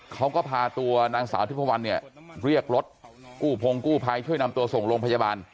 เขาก็พาตัวนางสาวทิพวันเนี่ยเรียกรถกู้พงกู้ภัยช่วยนำตัวส่งโรงพยาบาล